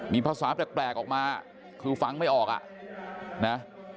มีภาษาแปลกออกมาคือฟังไม่ออกอ่ะนะ